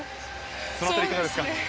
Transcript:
その辺りはいかがですか。